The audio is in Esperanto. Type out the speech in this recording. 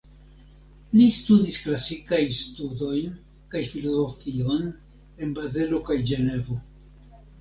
Li studis klasikajn studojn kaj filozofion en Bazelo kaj Ĝenevo.